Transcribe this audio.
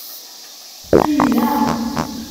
Qqim da.